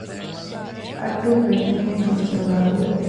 އައްޑޫ ބެޑްމިންޓަން ފެސްޓިވަލާގުޅޭ